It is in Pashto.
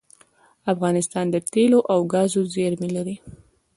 افغانستان د تیلو او ګازو زیرمې لري